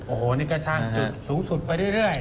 โอ้โหนี่ก็สร้างจุดสูงสุดไปเรื่อย